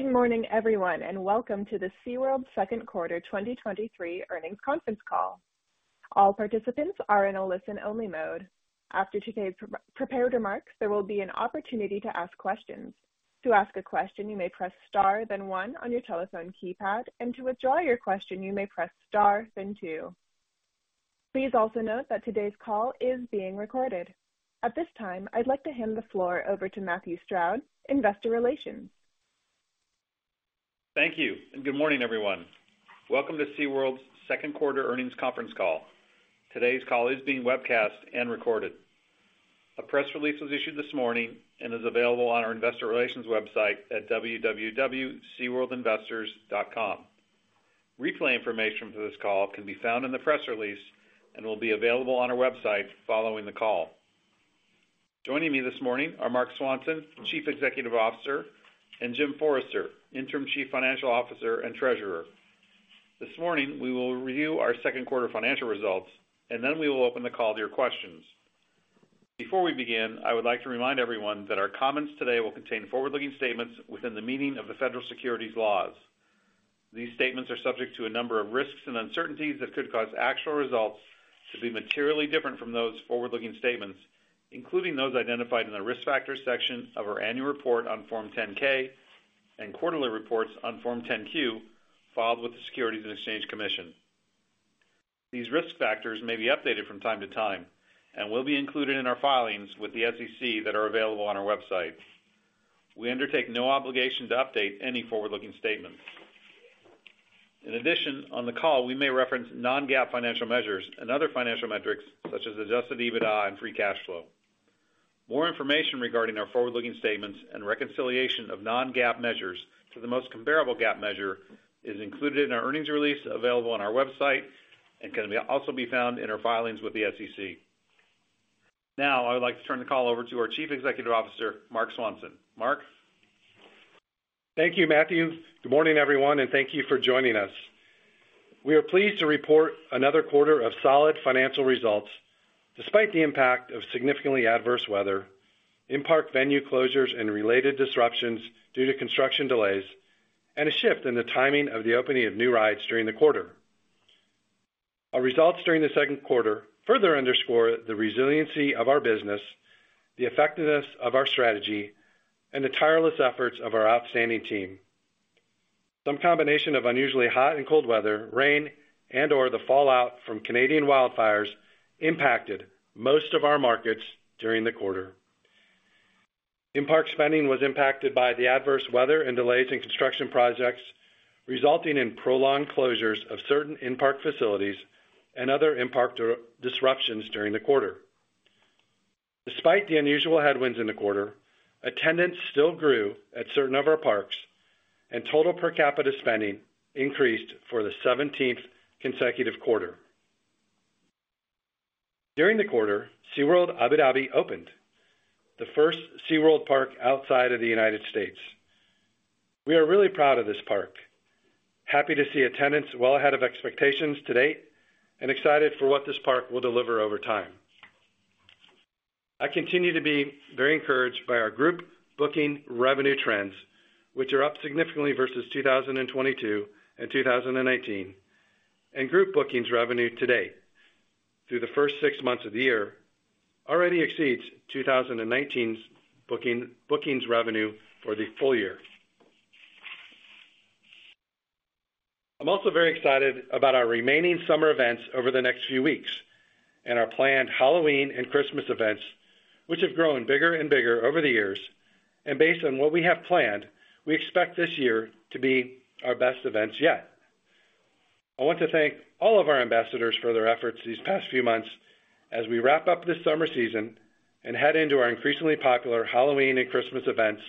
Good morning, everyone, and welcome to the SeaWorld second quarter 2023 earnings conference call. All participants are in a listen-only mode. After today's pre-prepared remarks, there will be an opportunity to ask questions. To ask a question, you may press star, then one on your telephone keypad, and to withdraw your question, you may press star, then two. Please also note that today's call is being recorded. At this time, I'd like to hand the floor over to Matthew Stroud, Investor Relations. Thank you. Good morning, everyone. Welcome to SeaWorld's second quarter earnings conference call. Today's call is being webcast and recorded. A press release was issued this morning and is available on our investor relations website at www.seaworldinvestors.com. Replay information for this call can be found in the press release and will be available on our website following the call. Joining me this morning are Marc Swanson, Chief Executive Officer, and Jim Forrester, Interim Chief Financial Officer and Treasurer. This morning, we will review our second quarter financial results, and then we will open the call to your questions. Before we begin, I would like to remind everyone that our comments today will contain forward-looking statements within the meaning of the Federal Securities laws. These statements are subject to a number of risks and uncertainties that could cause actual results to be materially different from those forward-looking statements, including those identified in the Risk Factors section of our annual report on Form 10-K and quarterly reports on Form 10-Q, filed with the Securities and Exchange Commission. These risk factors may be updated from time to time and will be included in our filings with the SEC that are available on our website. We undertake no obligation to update any forward-looking statements. In addition, on the call, we may reference non-GAAP financial measures and other financial metrics such as Adjusted EBITDA and free cash flow. More information regarding our forward-looking statements and reconciliation of non-GAAP measures to the most comparable GAAP measure is included in our earnings release, available on our website, and can also be found in our filings with the SEC. Now, I would like to turn the call over to our Chief Executive Officer, Marc Swanson. Marc? Thank you, Matthew. Good morning, everyone, and thank you for joining us. We are pleased to report another quarter of solid financial results, despite the impact of significantly adverse weather, in-park venue closures and related disruptions due to construction delays, and a shift in the timing of the opening of new rides during the quarter. Our results during the second quarter further underscore the resiliency of our business, the effectiveness of our strategy, and the tireless efforts of our outstanding team. Some combination of unusually hot and cold weather, rain, and/or the fallout from Canadian wildfires impacted most of our markets during the quarter. In-park spending was impacted by the adverse weather and delays in construction projects, resulting in prolonged closures of certain in-park facilities and other in-park disruptions during the quarter. Despite the unusual headwinds in the quarter, attendance still grew at certain of our parks, and total per capita spending increased for the 17th consecutive quarter. During the quarter, SeaWorld Abu Dhabi opened, the first SeaWorld park outside of the United States. We are really proud of this park, happy to see attendance well ahead of expectations to date, and excited for what this park will deliver over time. I continue to be very encouraged by our group booking revenue trends, which are up significantly versus 2022 and 2018, and group bookings revenue today, through the first six months of the year, already exceeds 2019's booking, bookings revenue for the full year. I'm also very excited about our remaining summer events over the next few weeks and our planned Halloween and Christmas events, which have grown bigger and bigger over the years, and based on what we have planned, we expect this year to be our best events yet. I want to thank all of our ambassadors for their efforts these past few months as we wrap up this summer season and head into our increasingly popular Halloween and Christmas events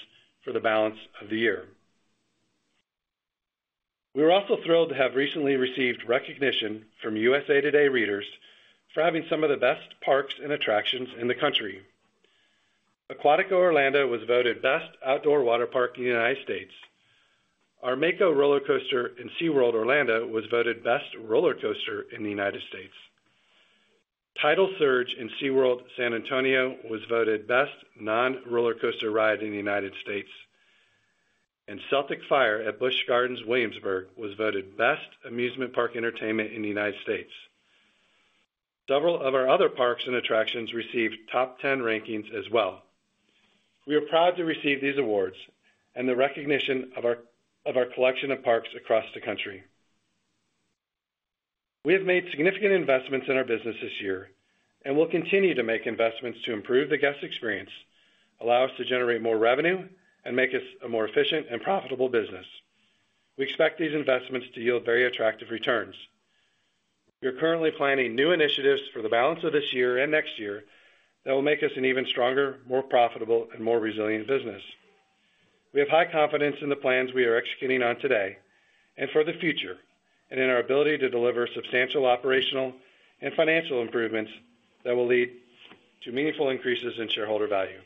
for the balance of the year. We're also thrilled to have recently received recognition from USA TODAY readers for having some of the best parks and attractions in the country. Aquatica Orlando was voted best outdoor water park in the United States. Our Mako Roller Coaster in SeaWorld Orlando was voted best roller coaster in the United States. Tidal Surge in SeaWorld, San Antonio, was voted best non-roller coaster ride in the United States. Celtic Fyre at Busch Gardens, Williamsburg, was voted best amusement park entertainment in the United States. Several of our other parks and attractions received top 10 rankings as well. We are proud to receive these awards and the recognition of our collection of parks across the country. We have made significant investments in our business this year and will continue to make investments to improve the guest experience, allow us to generate more revenue, and make us a more efficient and profitable business. We expect these investments to yield very attractive returns. We are currently planning new initiatives for the balance of this year and next year that will make us an even stronger, more profitable, and more resilient business. We have high confidence in the plans we are executing on today and for the future, in our ability to deliver substantial operational and financial improvements that will lead to meaningful increases in shareholder value.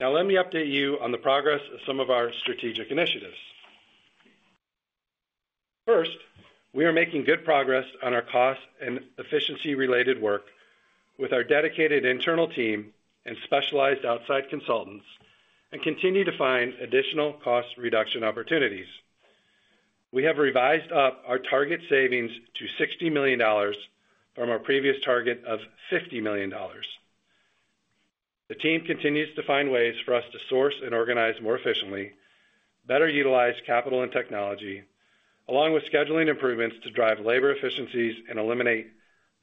Let me update you on the progress of some of our strategic initiatives. First, we are making good progress on our cost and efficiency-related work with our dedicated internal team and specialized outside consultants, continue to find additional cost reduction opportunities. We have revised up our target savings to $60 million from our previous target of $50 million. The team continues to find ways for us to source and organize more efficiently, better utilize capital and technology, along with scheduling improvements to drive labor efficiencies and eliminate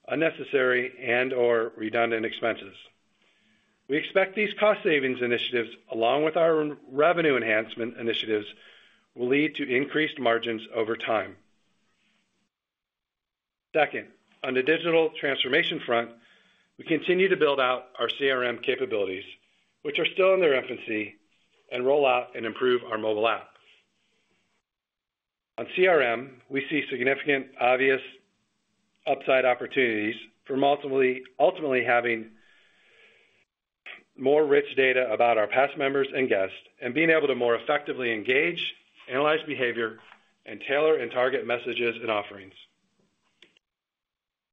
unnecessary and/or redundant expenses. We expect these cost savings initiatives, along with our revenue enhancement initiatives, will lead to increased margins over time. Second, on the digital transformation front, we continue to build out our CRM capabilities, which are still in their infancy, and roll out and improve our mobile app. On CRM, we see significant obvious upside opportunities for ultimately having more rich data about our past members and guests, and being able to more effectively engage, analyze behavior, and tailor and target messages and offerings.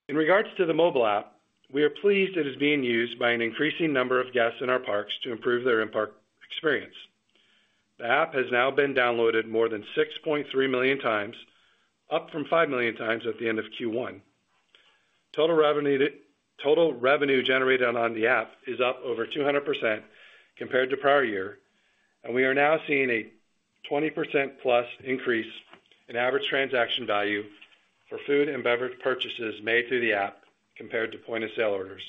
In regards to the mobile app, we are pleased it is being used by an increasing number of guests in our parks to improve their in-park experience. The app has now been downloaded more than 6.3 million times, up from 5 million times at the end of Q1. Total revenue, total revenue generated on the app is up over 200% compared to prior year. We are now seeing a 20%+ increase in average transaction value for food and beverage purchases made through the app compared to point-of-sale orders.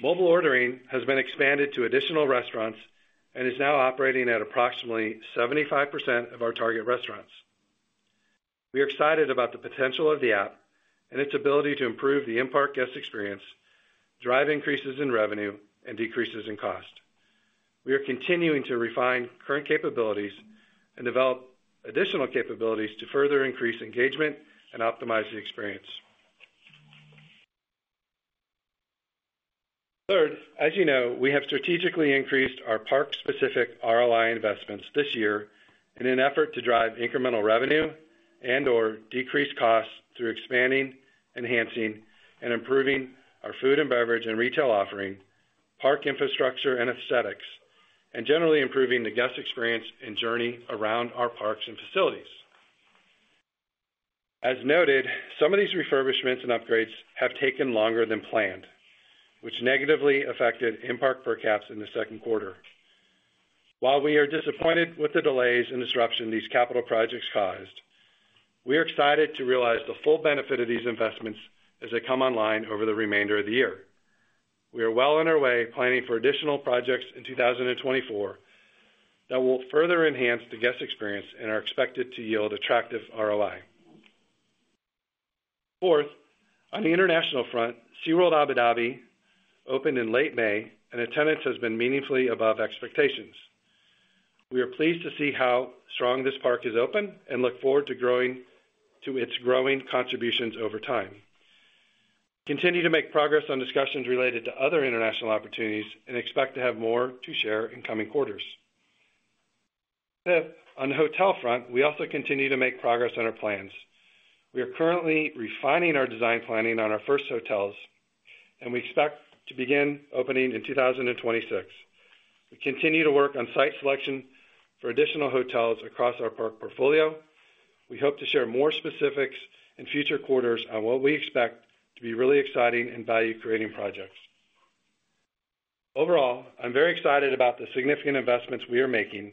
Mobile ordering has been expanded to additional restaurants and is now operating at approximately 75% of our target restaurants. We are excited about the potential of the app and its ability to improve the in-park guest experience, drive increases in revenue, and decreases in cost. We are continuing to refine current capabilities and develop additional capabilities to further increase engagement and optimize the experience. Third, as you know, we have strategically increased our park-specific ROI investments this year in an effort to drive incremental revenue and/or decrease costs through expanding, enhancing, and improving our food and beverage and retail offering, park infrastructure and aesthetics, and generally improving the guest experience and journey around our parks and facilities. As noted, some of these refurbishments and upgrades have taken longer than planned, which negatively affected in-park per caps in the second quarter. While we are disappointed with the delays and disruption these capital projects caused, we are excited to realize the full benefit of these investments as they come online over the remainder of the year. We are well on our way, planning for additional projects in 2024 that will further enhance the guest experience and are expected to yield attractive ROI. Fourth, on the international front, SeaWorld Abu Dhabi opened in late May, and attendance has been meaningfully above expectations. We are pleased to see how strong this park is open and look forward to growing to its growing contributions over time. Continue to make progress on discussions related to other international opportunities and expect to have more to share in coming quarters. Fifth, on the hotel front, we also continue to make progress on our plans. We are currently refining our design planning on our first hotels, and we expect to begin opening in 2026. We continue to work on site selection for additional hotels across our park portfolio. We hope to share more specifics in future quarters on what we expect to be really exciting and value-creating projects. Overall, I'm very excited about the significant investments we are making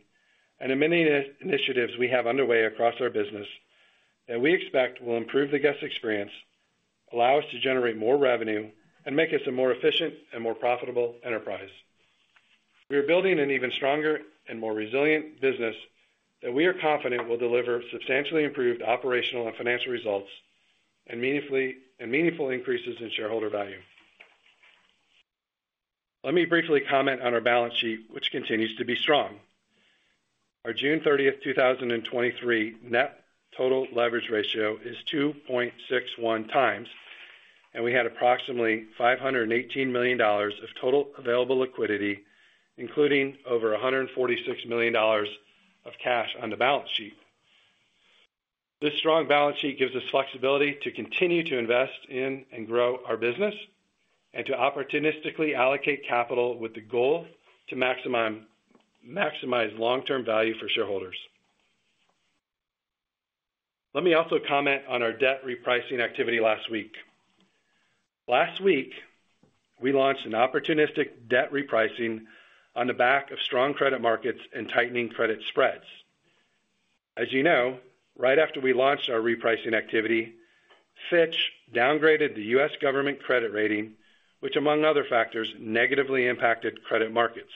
and the many initiatives we have underway across our business, that we expect will improve the guest experience, allow us to generate more revenue, and make us a more efficient and more profitable enterprise. We are building an even stronger and more resilient business that we are confident will deliver substantially improved operational and financial results, and meaningful increases in shareholder value. Let me briefly comment on our balance sheet, which continues to be strong. Our June 30, 2023 net total leverage ratio is 2.61x, and we had approximately $518 million of total available liquidity, including over $146 million of cash on the balance sheet. This strong balance sheet gives us flexibility to continue to invest in and grow our business, and to opportunistically allocate capital with the goal to maximize, maximize long-term value for shareholders. Let me also comment on our debt repricing activity last week. Last week, we launched an opportunistic debt repricing on the back of strong credit markets and tightening credit spreads. As you know, right after we launched our repricing activity, Fitch downgraded the U.S. government credit rating, which, among other factors, negatively impacted credit markets.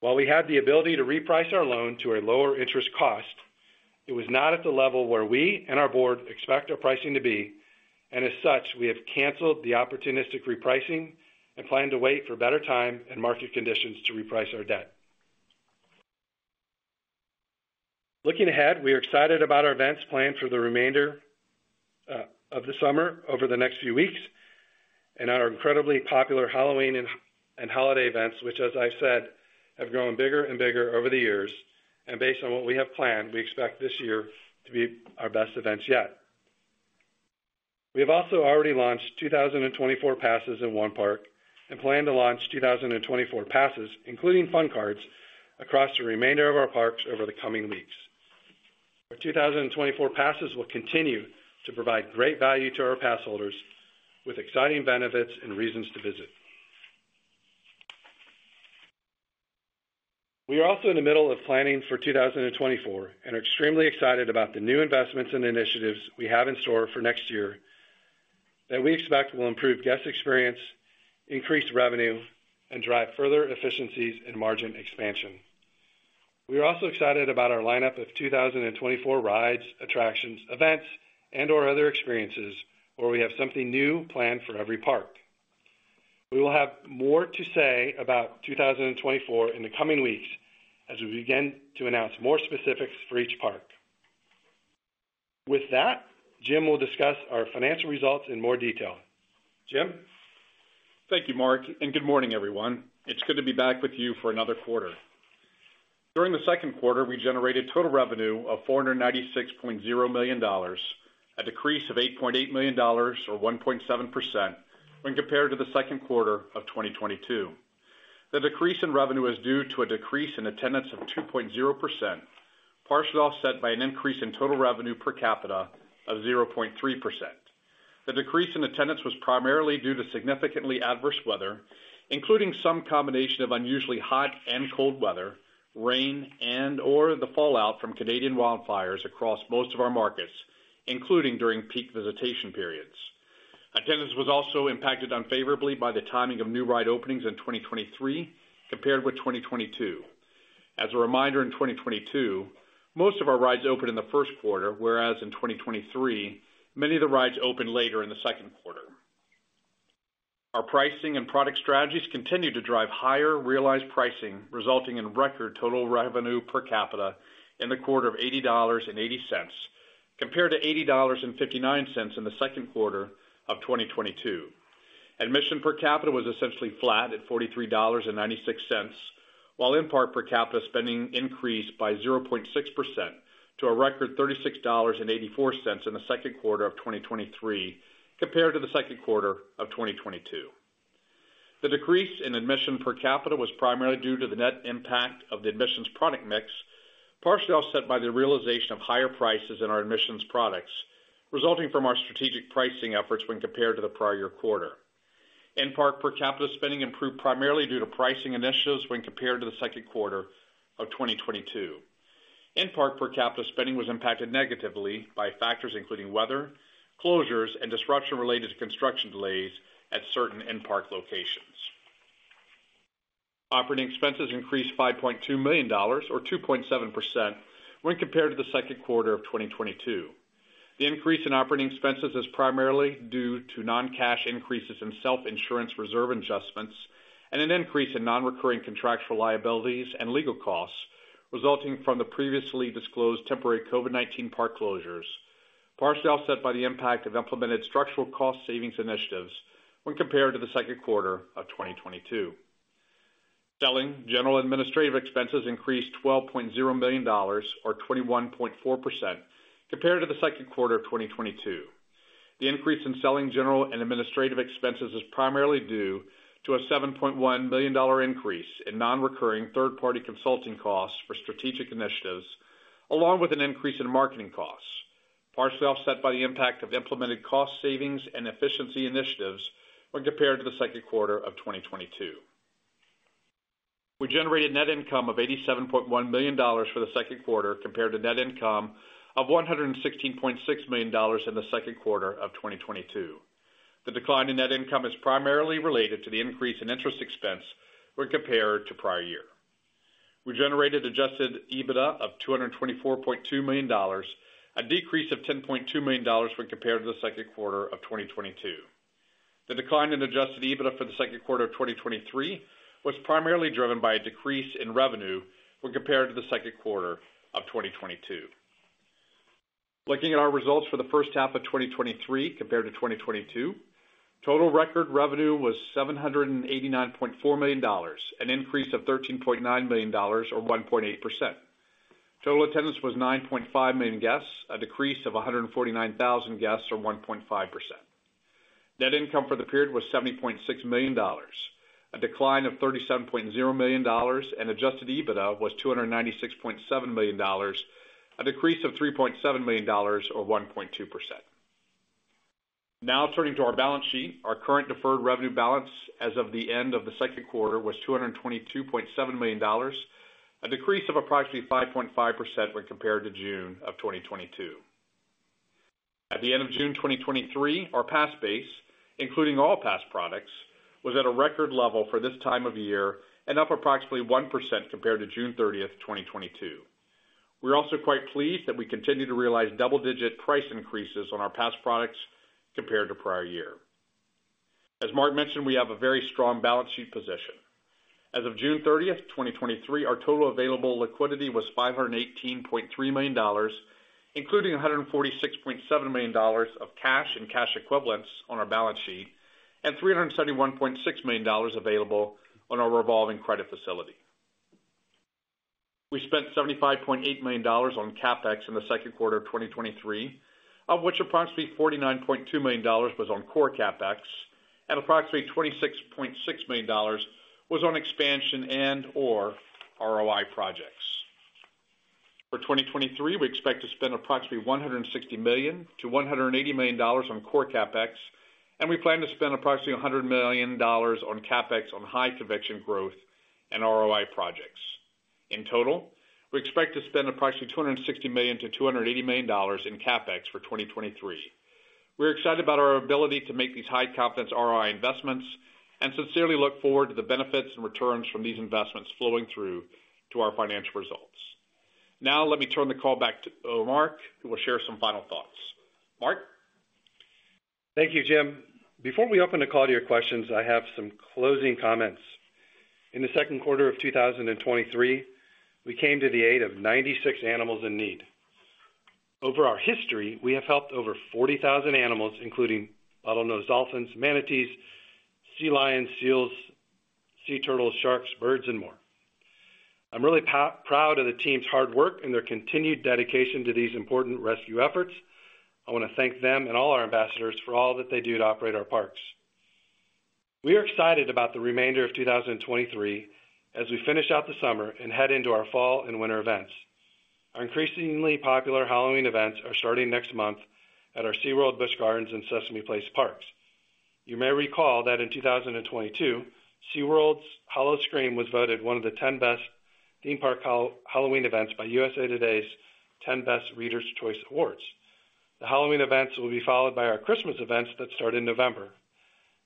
While we had the ability to reprice our loan to a lower interest cost, it was not at the level where we and our board expect our pricing to be, and as such, we have canceled the opportunistic repricing and plan to wait for better time and market conditions to reprice our debt. Looking ahead, we are excited about our events planned for the remainder of the summer over the next few weeks. Our incredibly popular Halloween and holiday events, which, as I said, have grown bigger and bigger over the years. Based on what we have planned, we expect this year to be our best events yet. We have also already launched 2024 passes in one park, and plan to launch 2024 passes, including Fun Card, across the remainder of our parks over the coming weeks. Our 2024 passes will continue to provide great value to our pass holders, with exciting benefits and reasons to visit. We are also in the middle of planning for 2024 and are extremely excited about the new investments and initiatives we have in store for next year, that we expect will improve guest experience, increase revenue, and drive further efficiencies and margin expansion. We are also excited about our lineup of 2024 rides, attractions, events, and/or other experiences, where we have something new planned for every park. We will have more to say about 2024 in the coming weeks as we begin to announce more specifics for each park. With that, Jim will discuss our financial results in more detail. Jim? Thank you, Marc, good morning, everyone. It's good to be back with you for another quarter. During the second quarter, we generated total revenue of $496.0 million, a decrease of $8.8 million, or 1.7%, when compared to the second quarter of 2022. The decrease in revenue is due to a decrease in attendance of 2.0%, partially offset by an increase in total revenue per capita of 0.3%. The decrease in attendance was primarily due to significantly adverse weather, including some combination of unusually hot and cold weather, rain, and/or the fallout from Canadian wildfires across most of our markets, including during peak visitation periods. Attendance was also impacted unfavorably by the timing of new ride openings in 2023, compared with 2022. As a reminder, in 2022, most of our rides opened in the first quarter, whereas in 2023, many of the rides opened later in the second quarter. Our pricing and product strategies continued to drive higher realized pricing, resulting in record total revenue per capita in the quarter of $80.80, compared to $80.59 in the second quarter of 2022. Admission per capita was essentially flat at $43.96, while in-park per capita spending increased by 0.6% to a record $36.84 in the second quarter of 2023, compared to the second quarter of 2022. The decrease in admission per capita was primarily due to the net impact of the admissions product mix, partially offset by the realization of higher prices in our admissions products, resulting from our strategic pricing efforts when compared to the prior year quarter. In-park per capita spending improved primarily due to pricing initiatives when compared to the second quarter of 2022. In-park per capita spending was impacted negatively by factors including weather, closures, and disruption related to construction delays at certain in-park locations. Operating expenses increased $5.2 million, or 2.7%, when compared to the second quarter of 2022. The increase in operating expenses is primarily due to non-cash increases in self-insurance reserve adjustments and an increase in non-recurring contractual liabilities and legal costs, resulting from the previously disclosed temporary COVID-19 park closures, partially offset by the impact of implemented structural cost savings initiatives when compared to the second quarter of 2022. Selling, general administrative expenses increased $12.0 million or 21.4% compared to the second quarter of 2022. The increase in selling, general, and administrative expenses is primarily due to a $7.1 million increase in non-recurring third-party consulting costs for strategic initiatives, along with an increase in marketing costs, partially offset by the impact of implemented cost savings and efficiency initiatives when compared to the second quarter of 2022. We generated net income of $87.1 million for the second quarter, compared to net income of $116.6 million in the second quarter of 2022. The decline in net income is primarily related to the increase in interest expense when compared to prior year. We generated Adjusted EBITDA of $224.2 million, a decrease of $10.2 million when compared to the second quarter of 2022. The decline in Adjusted EBITDA for the second quarter of 2023 was primarily driven by a decrease in revenue when compared to the second quarter of 2022. Looking at our results for the first half of 2023 compared to 2022, total record revenue was $789.4 million, an increase of $13.9 million, or 1.8%. Total attendance was 9.5 million guests, a decrease of 149,000 guests, or 1.5%. Net income for the period was $70.6 million, a decline of $37.0 million, Adjusted EBITDA was $296.7 million, a decrease of $3.7 million, or 1.2%. Turning to our balance sheet. Our current deferred revenue balance as of the end of the second quarter was $222.7 million, a decrease of approximately 5.5% when compared to June of 2022. At the end of June 2023, our pass base, including all pass products, was at a record level for this time of year and up approximately 1% compared to June 30, 2022. We're also quite pleased that we continue to realize double-digit price increases on our pass products compared to prior year. As Marc mentioned, we have a very strong balance sheet position. As of June 30, 2023, our total available liquidity was $518.3 million, including $146.7 million of cash and cash equivalents on our balance sheet, and $371.6 million available on our revolving credit facility. We spent $75.8 million on CapEx in the second quarter of 2023, of which approximately $49.2 million was on core CapEx and approximately $26.6 million was on expansion and/or ROI projects. For 2023, we expect to spend approximately $160 million-$180 million on core CapEx, and we plan to spend approximately $100 million on CapEx on high conviction growth and ROI projects. In total, we expect to spend approximately $260 million-$280 million in CapEx for 2023. We're excited about our ability to make these high-confidence ROI investments and sincerely look forward to the benefits and returns from these investments flowing through to our financial results. Now, let me turn the call back to Marc, who will share some final thoughts. Marc? Thank you, Jim. Before we open the call to your questions, I have some closing comments. In the second quarter of 2023, we came to the aid of 96 animals in need. Over our history, we have helped over 40,000 animals, including bottlenose dolphins, manatees, sea lions, seals, sea turtles, sharks, birds, and more. I'm really proud of the team's hard work and their continued dedication to these important rescue efforts. I want to thank them and all our ambassadors for all that they do to operate our parks. We are excited about the remainder of 2023 as we finish out the summer and head into our fall and winter events. Our increasingly popular Halloween events are starting next month at our SeaWorld, Busch Gardens, and Sesame Place parks. You may recall that in 2022, SeaWorld's Howl-O-Scream was voted one of the 10 best theme park Halloween events by USA TODAY's 10BEST Readers' Choice Awards. The Halloween events will be followed by our Christmas events that start in November.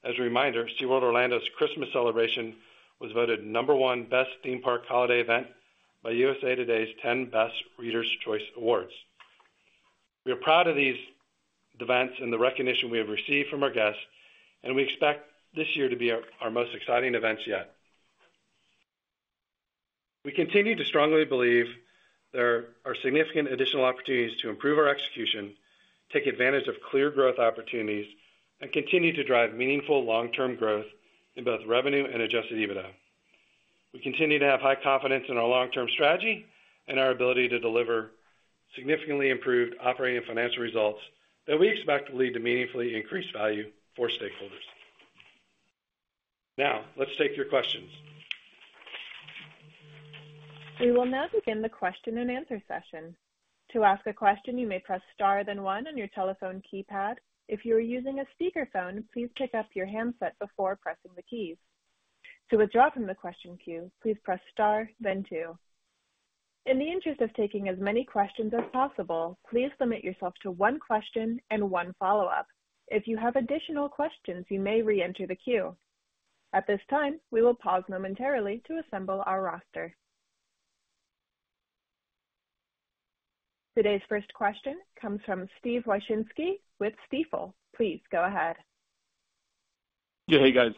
As a reminder, SeaWorld Orlando's Christmas celebration was voted number one best theme park holiday event by USA TODAY's 10BEST Readers' Choice Awards. We are proud of these events and the recognition we have received from our guests, we expect this year to be our most exciting events yet. We continue to strongly believe there are significant additional opportunities to improve our execution, take advantage of clear growth opportunities, and continue to drive meaningful long-term growth in both revenue and Adjusted EBITDA. We continue to have high confidence in our long-term strategy and our ability to deliver significantly improved operating and financial results that we expect to lead to meaningfully increased value for stakeholders. Now, let's take your questions. We will now begin the question-and-answer session. To ask a question, you may press star, then one on your telephone keypad. If you are using a speakerphone, please pick up your handset before pressing the keys. To withdraw from the question queue, please press star, then two. In the interest of taking as many questions as possible, please limit yourself to one question and one follow-up. If you have additional questions, you may reenter the queue. At this time, we will pause momentarily to assemble our roster. Today's first question comes from Steve Wieczynski with Stifel. Please go ahead. Yeah. Hey, guys,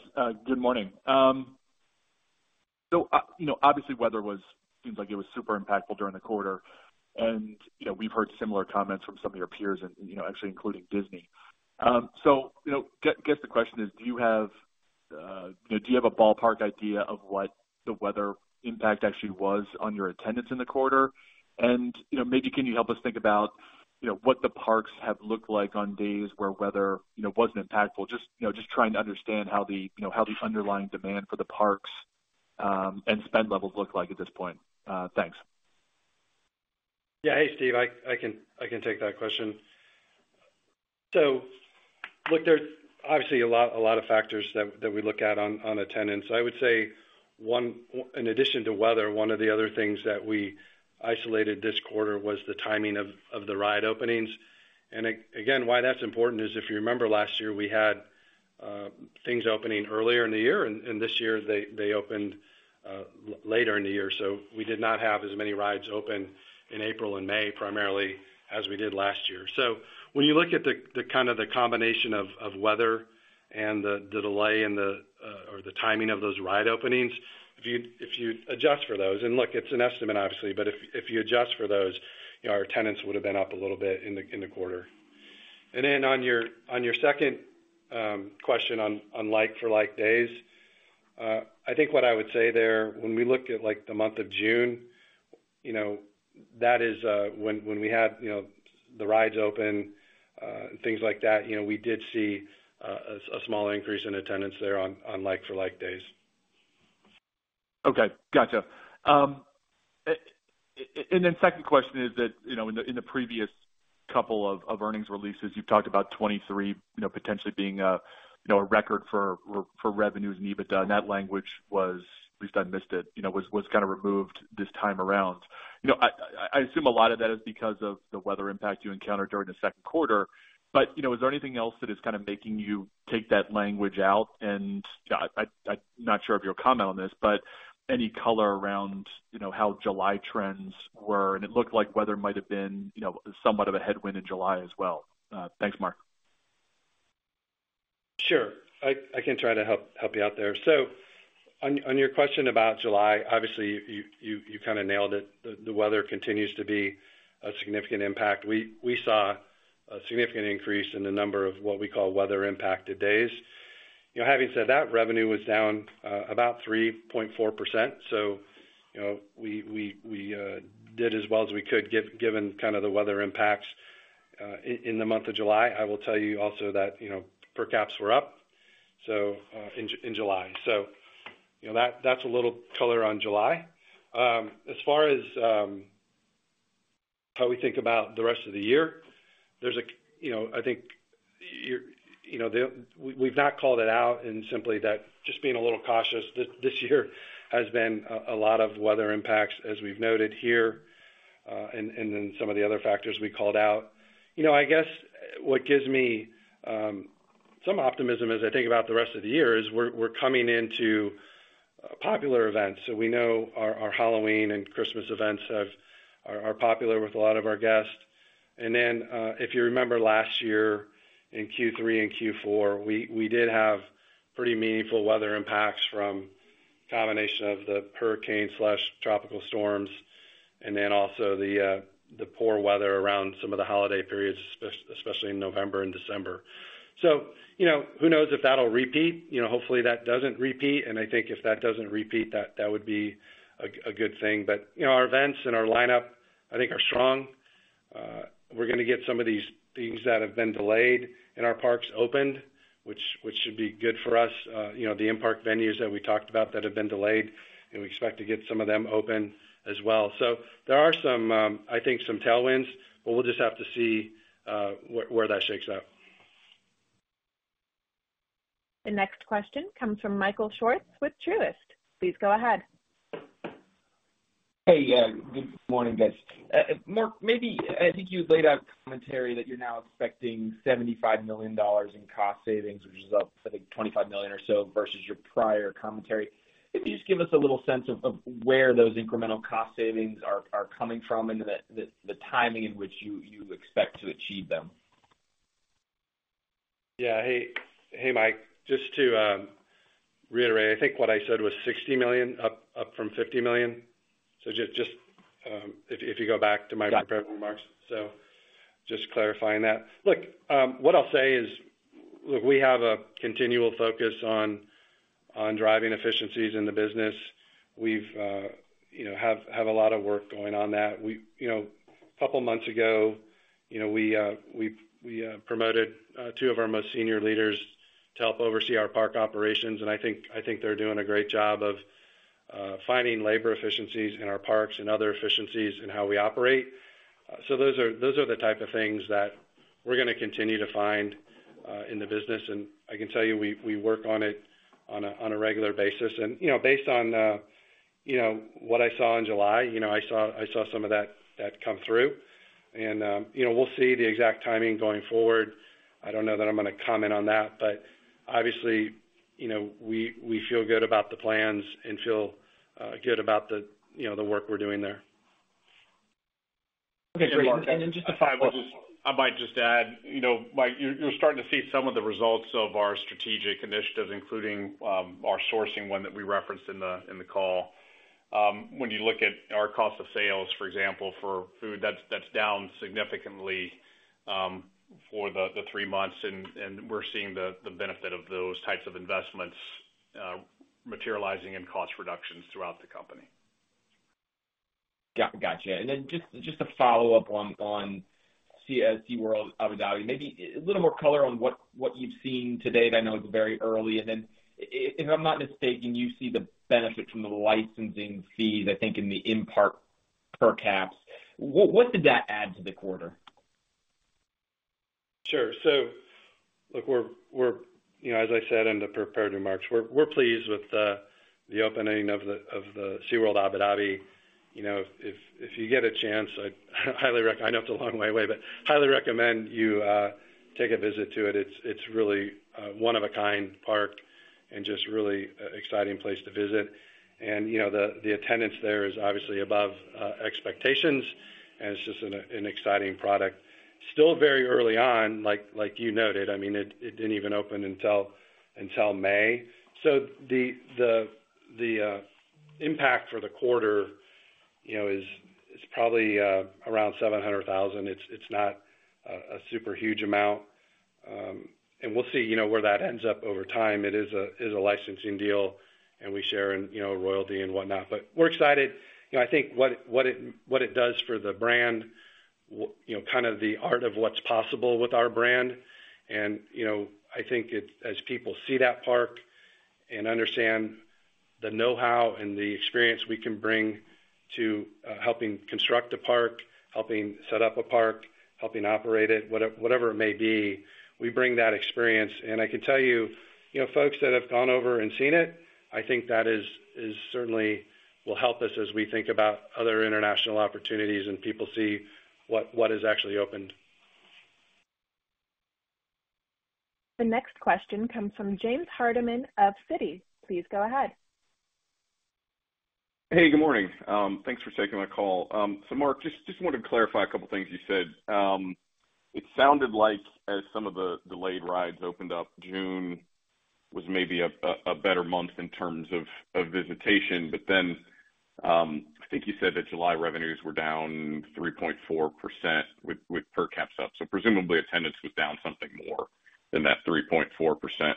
good morning. You know, obviously, weather was, seems like it was super impactful during the quarter, and, you know, we've heard similar comments from some of your peers and, you know, actually including Disney. You know, guess the question is, do you have, you know, do you have a ballpark idea of what the weather impact actually was on your attendance in the quarter? You know, maybe can you help us think about, you know, what the parks have looked like on days where weather, you know, wasn't impactful? You know, just trying to understand how the, you know, how the underlying demand for the parks, and spend levels look like at this point. Thanks. Yeah. Hey, Steve, I, I can, I can take that question. Look, there's obviously a lot, a lot of factors that, that we look at on, on attendance. I would say one- in addition to weather, one of the other things that we isolated this quarter was the timing of, of the ride openings. Again, why that's important is, if you remember last year, we had things opening earlier in the year, and, and this year they, they opened later in the year. We did not have as many rides open in April and May, primarily as we did last year. When you look at the, the kind of the combination of, of weather and the, the delay in the, or the timing of those ride openings, if you, if you adjust for those, and look, it's an estimate, obviously, but if, if you adjust for those, you know, our attendance would have been up a little bit in the, in the quarter. On your, on your second question on, on like for like days, I think what I would say there, when we looked at, like, the month of June, you know, that is, when, when we had, you know, the rides open, things like that, you know, we did see a, a small increase in attendance there on, on like for like days. Okay, gotcha. Then second question is that, you know, in the, in the previous couple of, of earnings releases, you've talked about 2023, you know, potentially being, you know, a record for, for revenues and EBITDA, and that language was, at least I missed it, you know, was, was kind of removed this time around. You know, I assume a lot of that is because of the weather impact you encountered during the second quarter. You know, is there anything else that is kind of making you take that language out? I'm not sure if you'll comment on this, but any color around, you know, how July trends were, and it looked like weather might have been, you know, somewhat of a headwind in July as well. Thanks, Marc. Sure. I, I can try to help, help you out there. On, on your question about July, obviously, you, you, you kind of nailed it. The, the weather continues to be a significant impact. We, we saw a significant increase in the number of what we call weather-impacted days. You know, having said that, revenue was down about 3.4%. You know, we, we, we did as well as we could give- given kind of the weather impacts in the month of July. I will tell you also that, you know, per caps were up in July. You know, that's a little color on July. As far as how we think about the rest of the year, there's, you know, I think, you know, the, we've not called it out and simply that just being a little cautious, this year has been a lot of weather impacts, as we've noted here, and then some of the other factors we called out. You know, I guess what gives me some optimism as I think about the rest of the year is we're coming into popular events. We know our Halloween and Christmas events are popular with a lot of our guests. Then, if you remember last year in Q3 and Q4, we, we did have pretty meaningful weather impacts from combination of the hurricane/tropical storms, and then also the poor weather around some of the holiday periods, especially in November and December. You know, who knows if that'll repeat? You know, hopefully, that doesn't repeat. I think if that doesn't repeat, that, that would be a, a good thing. You know, our events and our lineup, I think, are strong. We're gonna get some of these things that have been delayed in our parks opened, which, which should be good for us. You know, the in-park venues that we talked about that have been delayed, and we expect to get some of them open as well. There are some, I think some tailwinds, but we'll just have to see, where, where that shakes out. The next question comes from Michael Swartz with Truist. Please go ahead. Hey, good morning, guys. Marc, maybe I think you laid out commentary that you're now expecting $75 million in cost savings, which is up, I think, $25 million or so versus your prior commentary. Could you just give us a little sense of where those incremental cost savings are coming from and the timing in which you expect to achieve them? Yeah. Hey, hey, Mike, just to reiterate, I think what I said was $60 million, up from $50 million. Just, just, if, if you go back to my prepared remarks. Yeah. Just clarifying that. Look, what I'll say is, look, we have a continual focus on, on driving efficiencies in the business. We've, you know, have, have a lot of work going on that. You know, a couple of months ago, you know, we, we, promoted, two of our most senior leaders to help oversee our park operations, and I think, I think they're doing a great job of, finding labor efficiencies in our parks and other efficiencies in how we operate. Those are, those are the type of things that we're gonna continue to find, in the business. I can tell you, we work on it on a, on a regular basis. You know, based on, you know, what I saw in July, you know, I saw, I saw some of that, that come through. You know, we'll see the exact timing going forward. I don't know that I'm gonna comment on that, but obviously, you know, we, we feel good about the plans and feel good about the, you know, the work we're doing there. Okay, great. Then just to follow up- I might just add, you know, Mike, you're, you're starting to see some of the results of our strategic initiatives, including, our sourcing one that we referenced in the, in the call. When you look at our cost of sales, for example, for food, that's, that's down significantly, for the, the three months, and, and we're seeing the, the benefit of those types of investments, materializing in cost reductions throughout the company. Gotcha. just, just to follow up on SeaWorld Abu Dhabi, maybe a little more color on what you've seen to date. I know it's very early. if I'm not mistaken, you see the benefit from the licensing fees, I think, in the in-park per caps. What, what did that add to the quarter? Sure. Look, we're, we're, you know, as I said in the prepared remarks, we're, we're pleased with the, the opening of the, of the SeaWorld Abu Dhabi. You know, if, if, if you get a chance, I'd highly rec- I know it's a long way away, but highly recommend you take a visit to it. It's, it's really a one-of-a-kind park and just really exciting place to visit. You know, the, the attendance there is obviously above expectations, and it's just an, an exciting product. Still very early on, like, like you noted. I mean, it, it didn't even open until, until May. The, the, the impact for the quarter, you know, is, is probably around $700,000. It's, it's not a, a super huge amount. We'll see, you know, where that ends up over time. It is a licensing deal, and we share in, you know, royalty and whatnot. We're excited. You know, I think what it does for the brand, you know, kind of the art of what's possible with our brand. You know, as people see that park and understand the know-how and the experience we can bring to helping construct a park, helping set up a park, helping operate it, whatever it may be, we bring that experience. I can tell you, you know, folks that have gone over and seen it, I think that is, is certainly will help us as we think about other international opportunities, and people see what, what is actually opened. The next question comes from James Hardiman of Citi. Please go ahead. Hey, good morning. Thanks for taking my call. Marc, just, just wanted to clarify a couple of things you said. It sounded like as some of the delayed rides opened up, June was maybe a better month in terms of visitation. I think you said that July revenues were down 3.4% with per caps up. Presumably, attendance was down something more than that 3.4%.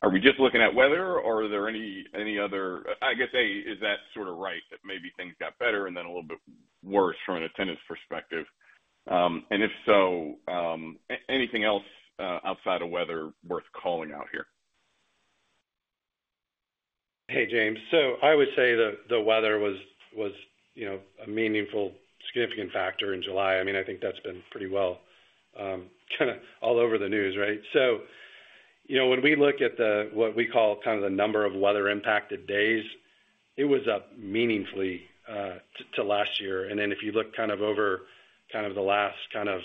Are we just looking at weather or are there any other... I guess, A, is that sort of right, that maybe things got better and then a little bit worse from an attendance perspective? If so, anything else outside of weather worth calling out here? Hey, James. I would say that the weather was, was, you know, a meaningful, significant factor in July. I mean, I think that's been pretty well, kind of all over the news, right? You know, when we look at the, what we call kind of the number of weather-impacted days, it was up meaningfully to last year. If you look kind of over kind of the last kind of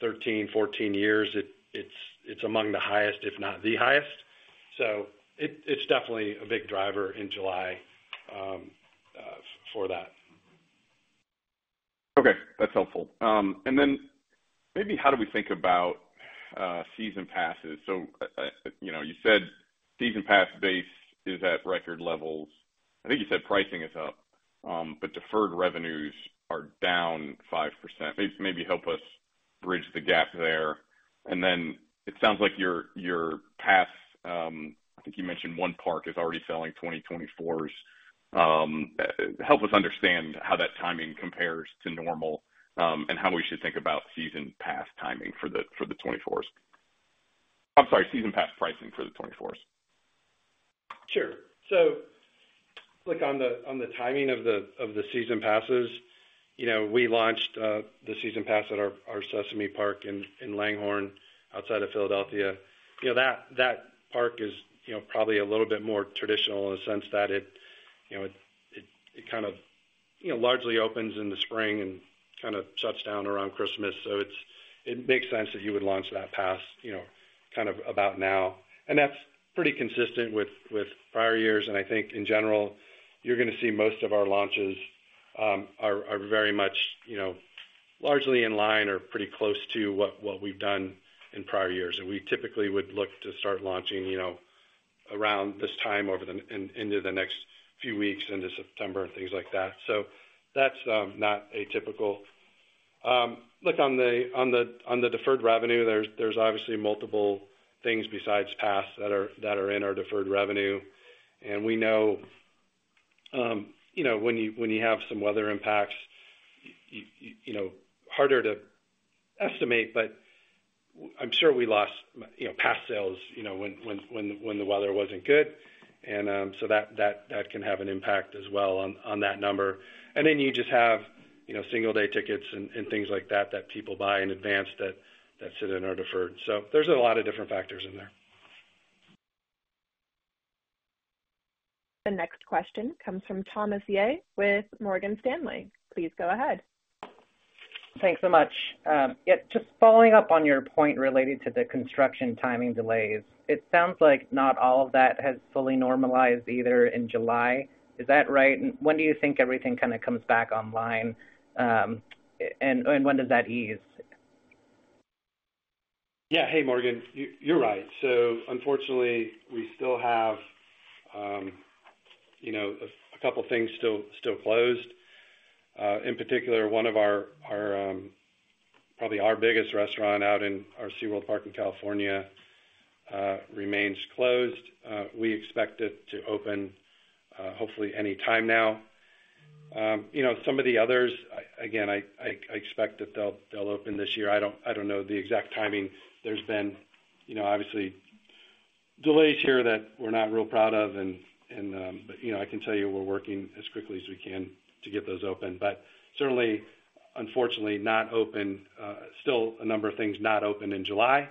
13 years, 14 years, it's, it's among the highest, if not the highest. It's definitely a big driver in July for that. Okay, that's helpful. Then maybe how do we think about season passes? You know, you said season pass base is at record levels. I think you said pricing is up, but deferred revenues are down 5%. Maybe, maybe help us bridge the gap there. Then it sounds like your, your pass, I think you mentioned one park is already selling 2024s. Help us understand how that timing compares to normal, and how we should think about season pass timing for the, for the 2024s. I'm sorry, season pass pricing for the 2024s. Sure. Look on the, on the timing of the, of the season passes, you know, we launched the season pass at our, our Sesame park in Langhorne, outside of Philadelphia. You know, that, that park is, you know, probably a little bit more traditional in the sense that it, you know, it, it, it kind of, you know, largely opens in the spring and kind of shuts down around Christmas. It makes sense that you would launch that pass, you know, kind of about now. That's pretty consistent with, with prior years, and I think in general, you're gonna see most of our launches are very much, you know, largely in line or pretty close to what, what we've done in prior years. We typically would look to start launching, you know, around this time over the, in, into the next few weeks, into September and things like that. That's not atypical. Look on the, on the, on the deferred revenue, there's, there's obviously multiple things besides pass that are, that are in our deferred revenue. We know, you know, when you, when you have some weather impacts, you know, harder to estimate, but I'm sure we lost, you know, pass sales, you know, when, when, when, when the weather wasn't good. That, that, that can have an impact as well on, on that number. Then you just have, you know, single-day tickets and, and things like that, that people buy in advance, that, that sit in our deferred. There's a lot of different factors in there. The next question comes from Thomas Yeh with Morgan Stanley. Please go ahead. Thanks so much. Yeah, just following up on your point related to the construction timing delays. It sounds like not all of that has fully normalized either in July. Is that right? When do you think everything kind of comes back online, and when does that ease? Yeah. Hey, Morgan, you- you're right. Unfortunately, we still have, you know, a couple things still, still closed. In particular, one of our, our, probably our biggest restaurant out in our SeaWorld Park in California, remains closed. We expect it to open, hopefully anytime now. You know, some of the others, again, I expect that they'll, they'll open this year. I don't, I don't know the exact timing. There's been, you know, obviously delays here that we're not real proud of, and, and, but, you know, I can tell you we're working as quickly as we can to get those open. Certainly, unfortunately, not open, still a number of things not open in July.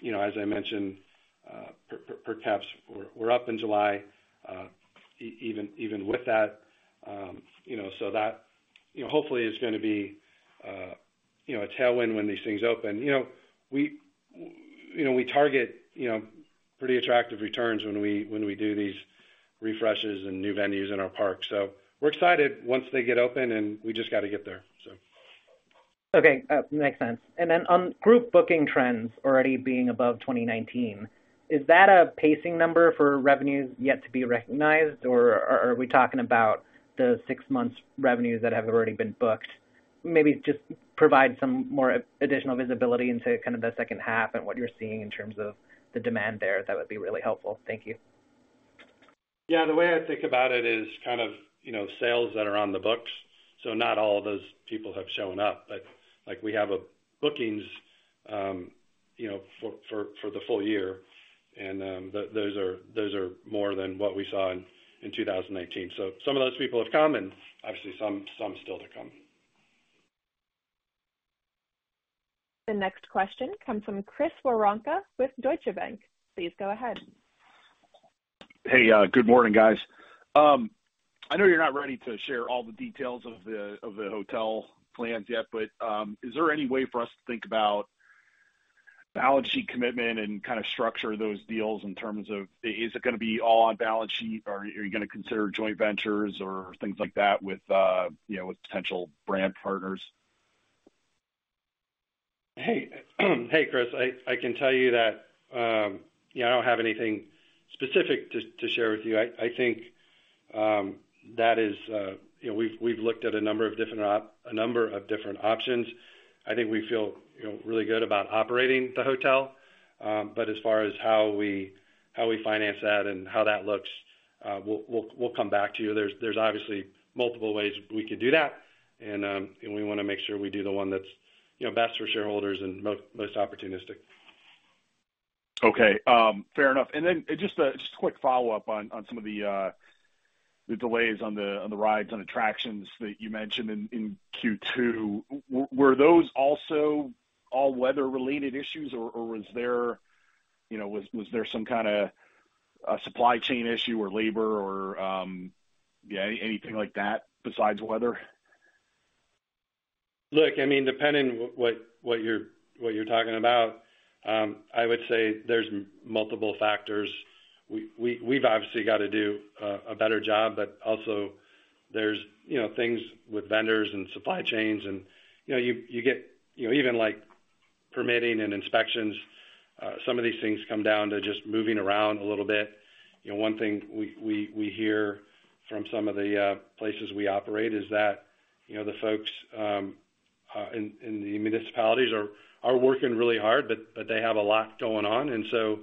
You know, as I mentioned, per caps were up in July, even with that. You know, so that, you know, hopefully is gonna be, you know, a tailwind when these things open. You know, we, you know, we target, you know, pretty attractive returns when we, when we do these refreshes and new venues in our parks. We're excited once they get open, and we just got to get there, so. Okay, makes sense. Then on group booking trends already being above 2019, is that a pacing number for revenues yet to be recognized, or are we talking about the six months revenues that have already been booked? Maybe just provide some more additional visibility into kind of the second half and what you're seeing in terms of the demand there. That would be really helpful. Thank you. Yeah, the way I think about it is kind of, you know, sales that are on the books, not all of those people have shown up. Like, we have a bookings, you know, for, for, for the full year, and those are, those are more than what we saw in 2018. Some of those people have come, and obviously some, some still to come. The next question comes from Chris Woronka with Deutsche Bank. Please go ahead. Hey, good morning, guys. I know you're not ready to share all the details of the, of the hotel plans yet, but, is there any way for us to think about balance sheet commitment and kind of structure those deals in terms of, is it going to be all on balance sheet, or are you going to consider joint ventures or things like that with, you know, with potential brand partners? Hey, hey, Chris, I can tell you that, you know, I don't have anything specific to, to share with you. I think that is, you know, we've, we've looked at a number of different options. I think we feel, you know, really good about operating the hotel. As far as how we, how we finance that and how that looks, we'll, we'll, we'll come back to you. There's, there's obviously multiple ways we could do that, we want to make sure we do the one that's, you know, best for shareholders and most opportunistic. Okay, fair enough. Then just a, just a quick follow-up on, on some of the, the delays on the, on the rides, on attractions that you mentioned in, in Q2. Were those also all weather-related issues, or, or was there, you know, was, was there some kind of a supply chain issue or labor or, yeah, anything like that besides weather? Look, I mean, depending what, what you're, what you're talking about, I would say there's multiple factors. We, we've obviously got to do a better job, but also there's, you know, things with vendors and supply chains and, you know, you, you get, you know, even, like, permitting and inspections, some of these things come down to just moving around a little bit. You know, one thing we, we, we hear from some of the places we operate is that, you know, the folks in, in the municipalities are, are working really hard, but, but they have a lot going on. So,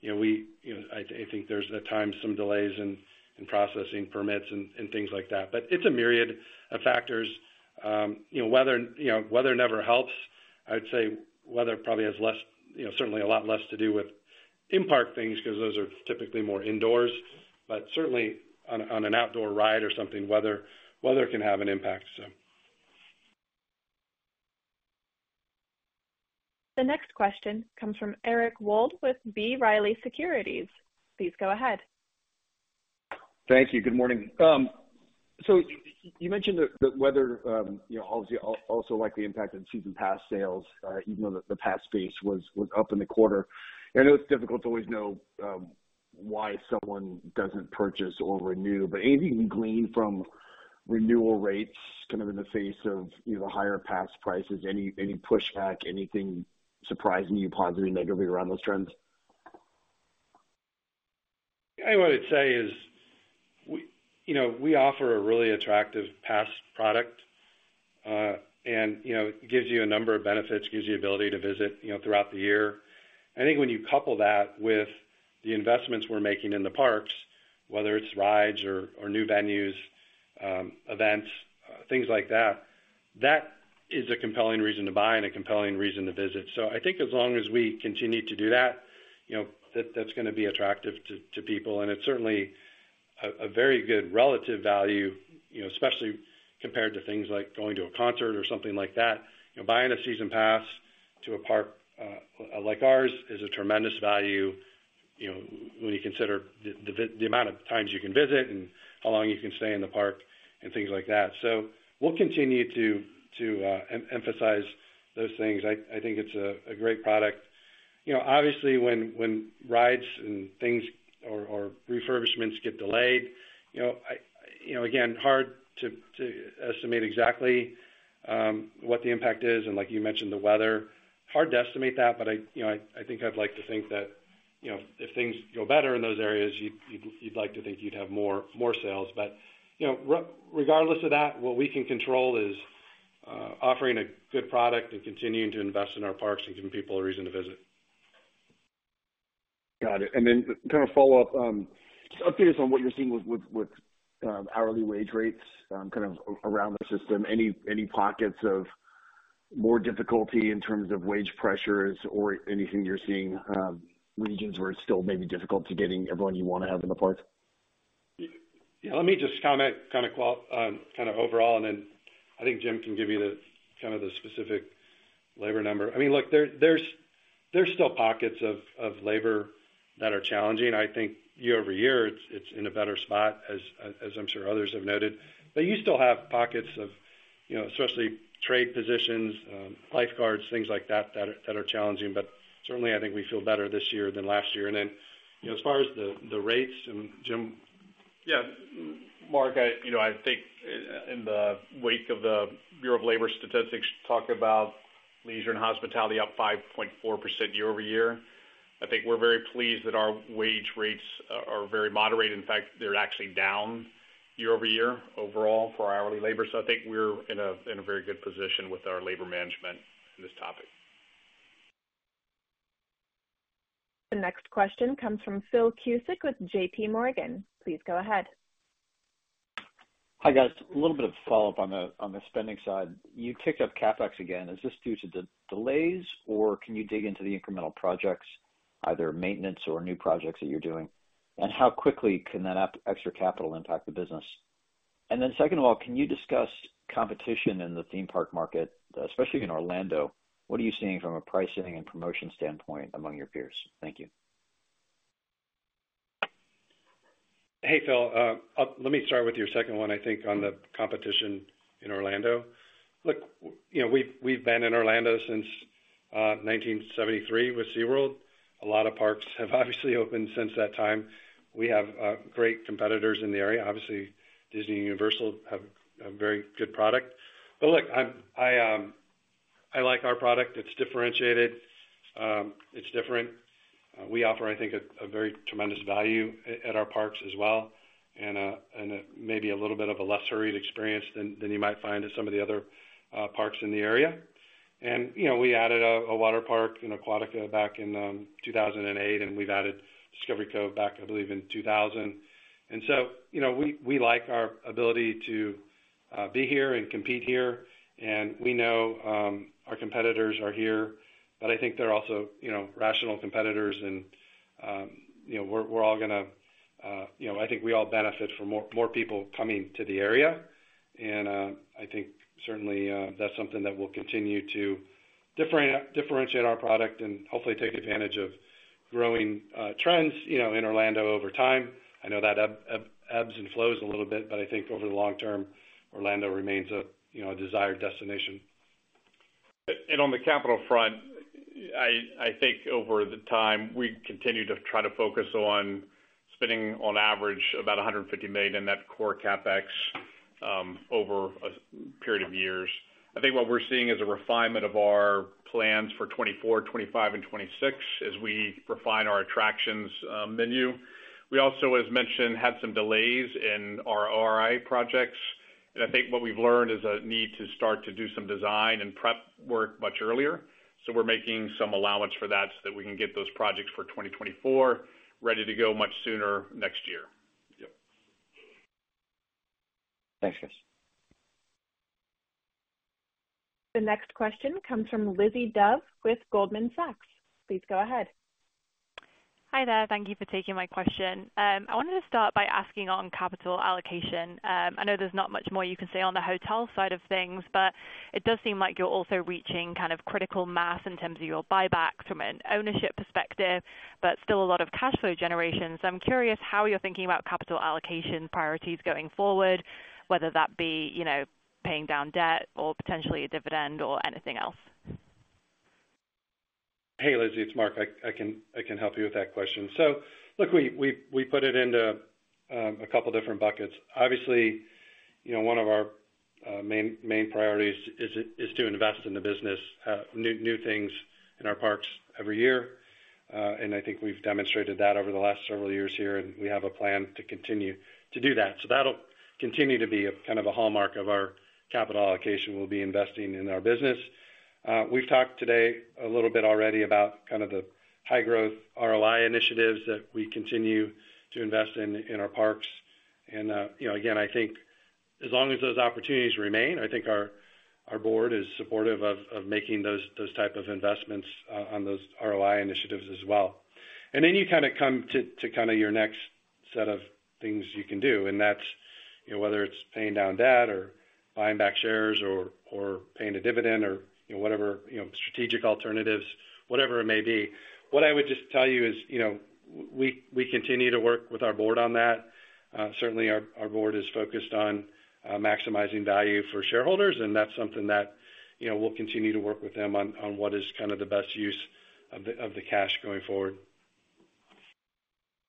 you know, we, you know, I think there's, at times, some delays in, in processing permits and, and things like that. But it's a myriad of factors. You know, weather, you know, weather never helps. I would say weather probably has less, you know, certainly a lot less to do with in-park things, because those are typically more indoors, but certainly on, on an outdoor ride or something, weather, weather can have an impact, so. The next question comes from Eric Wold with B. Riley Securities. Please go ahead. Thank you. Good morning. You mentioned that, that weather, you know, obviously, also likely impacted season pass sales, even though the, the pass base was, was up in the quarter. I know it's difficult to always know, why someone doesn't purchase or renew, but anything you can glean from renewal rates, kind of in the face of either higher pass prices, any, any pushback, anything surprising you, positive, negatively around those trends? I, what I'd say is, we, you know, we offer a really attractive pass product, and, you know, it gives you a number of benefits, gives you the ability to visit, you know, throughout the year. I think when you couple that with the investments we're making in the parks, whether it's rides or, or new venues, events, things like that, that is a compelling reason to buy and a compelling reason to visit. I think as long as we continue to do that, you know, that's going to be attractive to, to people, and it's certainly a, a very good relative value, you know, especially compared to things like going to a concert or something like that. You know, buying a season pass to a park, like ours, is a tremendous value, you know, when you consider the, the, the amount of times you can visit and how long you can stay in the park and things like that. We'll continue to emphasize those things. I think it's a, a great product. You know, obviously, when, when rides and things or, or refurbishments get delayed, you know, I- you know, again, hard to, to estimate exactly what the impact is. Like you mentioned, the weather, hard to estimate that, but I, you know, I think I'd like to think that, you know, if things go better in those areas, you'd like to think you'd have more, more sales. You know, regardless of that, what we can control is offering a good product and continuing to invest in our parks and giving people a reason to visit. Got it. Kind of follow up, just updates on what you're seeing with hourly wage rates, kind of around the system. Any pockets of more difficulty in terms of wage pressures or anything you're seeing, regions where it's still maybe difficult to getting everyone you want to have in the parks? Yeah, let me just comment, kind of qual- kind of overall, and then I think Jim can give you the, kind of the specific labor number. I mean, look, there, there's, there's still pockets of, of labor that are challenging. I think year-over-year, it's, it's in a better spot, as, as I'm sure others have noted. You still have pockets of, you know, especially trade positions, lifeguards, things like that, that are, that are challenging. Certainly, I think we feel better this year than last year. Then, you know, as far as the, the rates and Jim? Yeah. Marc, you know, I think in the wake of the Bureau of Labor Statistics, talk about leisure and hospitality up 5.4% year-over-year. I think we're very pleased that our wage rates are, are very moderate. In fact, they're actually down year-over-year overall for hourly labor. I think we're in a, in a very good position with our labor management on this topic. The next question comes from Phil Cusick with JPMorgan. Please go ahead. Hi, guys. A little bit of follow-up on the, on the spending side. You ticked up CapEx again. Is this due to the delays, or can you dig into the incremental projects, either maintenance or new projects that you're doing? How quickly can that extra capital impact the business? Second of all, can you discuss competition in the theme park market, especially in Orlando? What are you seeing from a pricing and promotion standpoint among your peers? Thank you. Hey, Phil, let me start with your second one, I think, on the competition in Orlando. Look, you know, we've, we've been in Orlando since 1973 with SeaWorld. A lot of parks have obviously opened since that time. We have, great competitors in the area. Obviously, Disney, Universal have, have very good product. Look, I'm- I, I like our product. It's differentiated. It's different. We offer, I think, a, a very tremendous value at, at our parks as well, and, and, maybe a little bit of a less hurried experience than, than you might find at some of the other, parks in the area. You know, we added a, a waterpark in Aquatica back in 2008, and we've added Discovery Cove back, I believe, in 2000. You know, we, we like our ability to be here and compete here, and we know our competitors are here, but I think they're also, you know, rational competitors and, you know, we're, we're all gonna. You know, I think we all benefit from more, more people coming to the area. I think certainly that's something that we'll continue to differentiate our product and hopefully take advantage of growing trends, you know, in Orlando over time. I know that ebbs and flows a little bit, but I think over the long term, Orlando remains a, you know, a desired destination. On the capital front, I think over the time, we continue to try to focus on spending on average about $150 million in that core CapEx over a period of years. I think what we're seeing is a refinement of our plans for 2024, 2025, and 2026 as we refine our attractions menu. We also, as mentioned, had some delays in our ROI projects, and I think what we've learned is a need to start to do some design and prep work much earlier. We're making some allowance for that, so that we can get those projects for 2024 ready to go much sooner next year. Yep. Thanks, guys. The next question comes from Lizzie Dove with Goldman Sachs. Please go ahead. Hi there. Thank you for taking my question. I wanted to start by asking on capital allocation. I know there's not much more you can say on the hotel side of things, but it does seem like you're also reaching kind of critical mass in terms of your buybacks from an ownership perspective, but still a lot of cash flow generation. I'm curious how you're thinking about capital allocation priorities going forward, whether that be, you know, paying down debt or potentially a dividend or anything else? Hey, Lizzie, it's Marc. I can help you with that question. Look, we put it into a couple different buckets. Obviously, you know, one of our main priorities is to invest in the business, new things in our parks every year. And I think we've demonstrated that over the last several years here, and we have a plan to continue to do that. That'll continue to be a kind of a hallmark of our capital allocation. We'll be investing in our business. We've talked today a little bit already about kind of the high-growth ROI initiatives that we continue to invest in, in our parks. You know, again, I think as long as those opportunities remain, I think our, our board is supportive of, of making those, those type of investments on those ROI initiatives as well. Then you kind of come to, to kind of your next set of things you can do, and that's, you know, whether it's paying down debt or buying back shares or, or paying a dividend or, you know, whatever, you know, strategic alternatives, whatever it may be. What I would just tell you is, you know, we, we continue to work with our board on that. Certainly our, our board is focused on maximizing value for shareholders, and that's something that, you know, we'll continue to work with them on, on what is kind of the best use of the, of the cash going forward.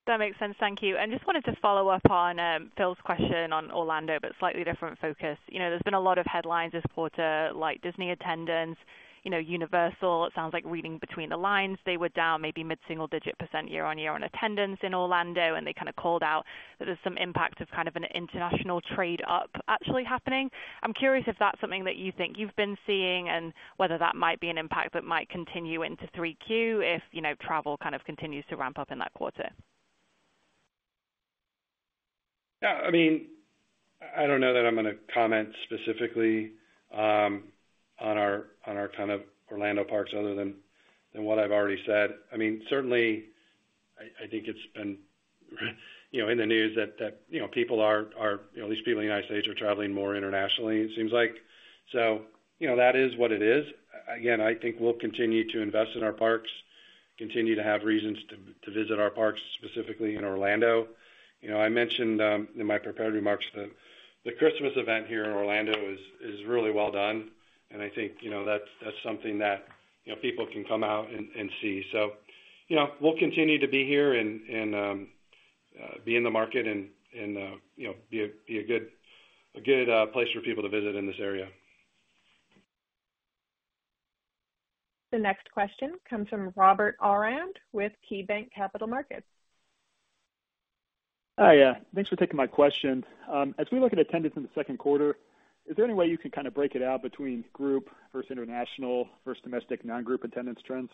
That makes sense. Thank you. Just wanted to follow up on Phil's question on Orlando, but slightly different focus. You know, there's been a lot of headlines this quarter, like Disney attendance, you know, Universal, it sounds like reading between the lines, they were down maybe mid-single digit percent year-on-year on attendance in Orlando, and they kind of called out that there's some impact of kind of an international trade up actually happening. I'm curious if that's something that you think you've been seeing, and whether that might be an impact that might continue into 3Q, if, you know, travel kind of continues to ramp up in that quarter? Yeah, I mean, I don't know that I'm gonna comment specifically, on our, on our kind of Orlando parks other than, than what I've already said. I mean, certainly, I, I think it's been, you know, in the news that, that, you know, people are, are. You know, at least people in the United States are traveling more internationally, it seems like. You know, that is what it is. Again, I think we'll continue to invest in our parks, continue to have reasons to, to visit our parks, specifically in Orlando. You know, I mentioned, in my prepared remarks that the Christmas event here in Orlando is, is really well done, and I think, you know, that's, that's something that, you know, people can come out and, and see. you know, we'll continue to be here and, and, be in the market and, and, you know, be a, be a good, a good, place for people to visit in this area. The next question comes from Robert Aurand with KeyBanc Capital Markets. Hi, thanks for taking my question. As we look at attendance in the second quarter, is there any way you can kind of break it out between group versus international versus domestic non-group attendance trends?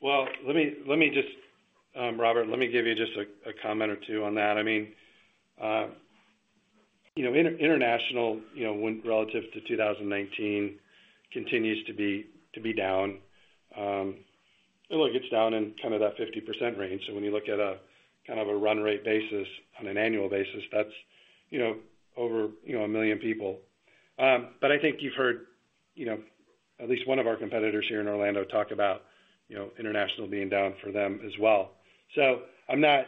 Well, let me, let me just, Robert, let me give you just a comment or two on that. I mean, you know, international, you know, when relative to 2019, continues to be down. Look, it's down in kind of that 50% range. When you look at a kind of a run rate basis on an annual basis, that's, you know, over, you know, 1 million people. I think you've heard, you know, at least one of our competitors here in Orlando talk about, you know, international being down for them as well. I'm not,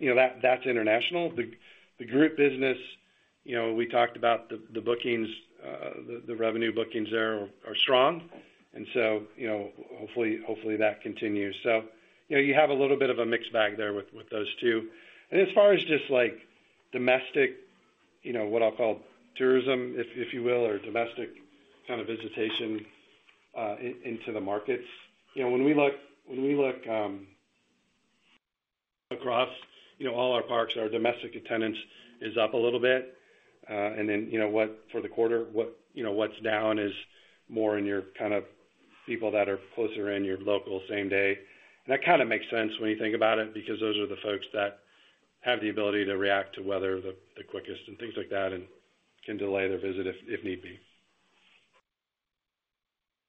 you know, that's international. The group business, you know, we talked about the bookings, the revenue bookings there are strong, you know, hopefully that continues. You know, you have a little bit of a mixed bag there with, with those two. As far as just like domestic, you know, what I'll call tourism, if you will, or domestic kind of visitation into the markets, you know, when we look, when we look across, you know, all our parks, our domestic attendance is up a little bit. Then, you know, for the quarter, what, you know, what's down is more in your kind of people that are closer in your local same day. That kind of makes sense when you think about it, because those are the folks that have the ability to react to weather the quickest and things like that, and can delay their visit if need be.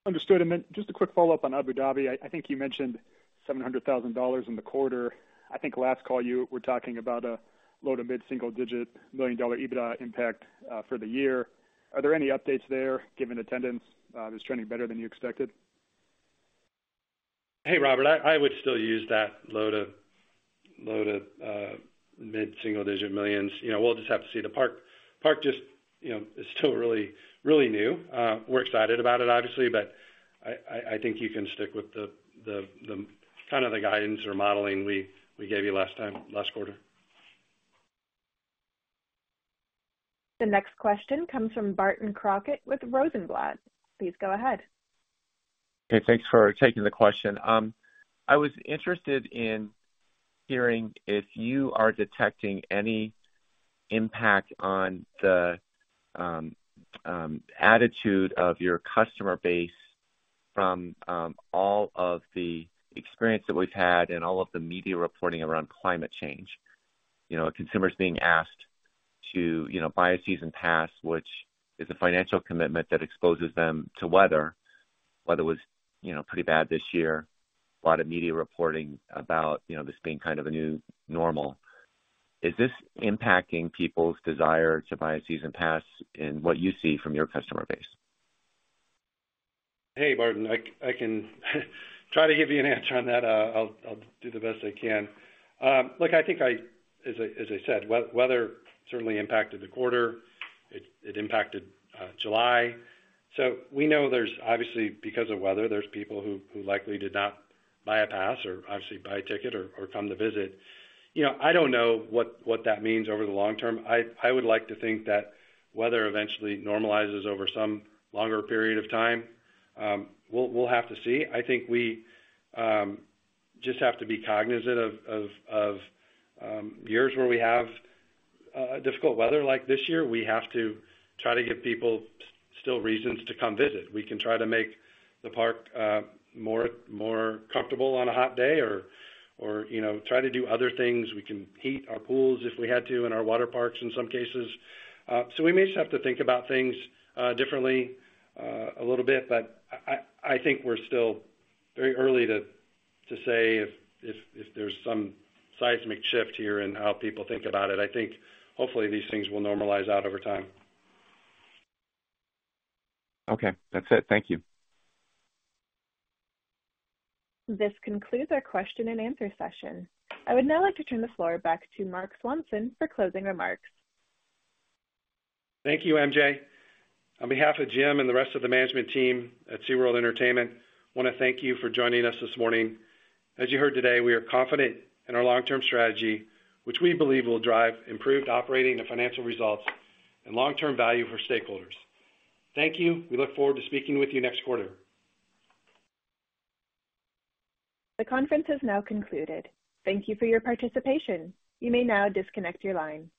Understood. Then just a quick follow-up on Abu Dhabi. I, I think you mentioned $700,000 in the quarter. I think last call, you were talking about a low to mid single-digit million-dollar EBITDA impact for the year. Are there any updates there, given attendance is trending better than you expected? Hey, Robert, I would still use that low to, low to, mid single digit millions. You know, we'll just have to see. The park, park just, you know, is still really, really new. We're excited about it, obviously, but I think you can stick with the, the, the kind of the guidance or modeling we, we gave you last time, last quarter. The next question comes from Barton Crockett with Rosenblatt. Please go ahead. Hey, thanks for taking the question. I was interested in hearing if you are detecting any impact on the attitude of your customer base from all of the experience that we've had and all of the media reporting around climate change. You know, consumers being asked to, you know, buy a season pass, which is a financial commitment that exposes them to weather. Weather was, you know, pretty bad this year. A lot of media reporting about, you know, this being kind of a new normal. Is this impacting people's desire to buy a season pass in what you see from your customer base? Hey, Barton, I can try to give you an answer on that. I'll, I'll do the best I can. Look, I think as I, as I said, weather certainly impacted the quarter. It, it impacted July. We know there's obviously, because of weather, there's people who, who likely did not buy a pass or obviously buy a ticket or, or come to visit. You know, I don't know what, what that means over the long term. I would like to think that weather eventually normalizes over some longer period of time. We'll, we'll have to see. I think we just have to be cognizant of, of, of years where we have difficult weather like this year. We have to try to give people still reasons to come visit. We can try to make the park, more, more comfortable on a hot day or, or, you know, try to do other things. We can heat our pools if we had to, in our water parks in some cases. So we may just have to think about things, differently, a little bit, but I think we're still very early to, to say if, if, if there's some seismic shift here in how people think about it. I think hopefully these things will normalize out over time. Okay, that's it. Thank you. This concludes our question and answer session. I would now like to turn the floor back to Marc Swanson for closing remarks. Thank you, MJ. On behalf of Jim and the rest of the management team at SeaWorld Entertainment, I want to thank you for joining us this morning. As you heard today, we are confident in our long-term strategy, which we believe will drive improved operating and financial results and long-term value for stakeholders. Thank you. We look forward to speaking with you next quarter. The conference has now concluded. Thank you for your participation. You may now disconnect your line.